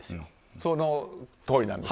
そのとおりなんです。